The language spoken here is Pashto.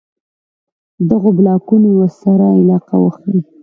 دغو بلاکونو یوه سره علاقه وښيي.